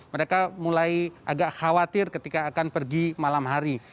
mereka mulai agak khawatir ketika akan pergi malam hari